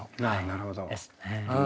なるほど。